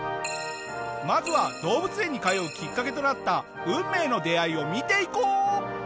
まずは動物園に通うきっかけとなった運命の出会いを見ていこう。